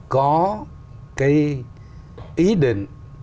có cái ý định